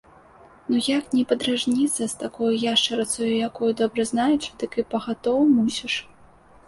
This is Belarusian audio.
Ну як не падражніцца з такою яшчарыцаю, якую добра знаючы, дык і пагатоў мусіш.